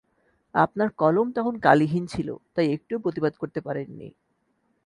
আপনার কলম তখন কালিহীন ছিল, তাই একটু প্রতিবাদও করতে পারেননি।